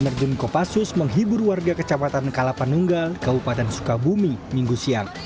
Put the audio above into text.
penerjun kopassus menghibur warga kecamatan kalapanunggal kabupaten sukabumi minggu siang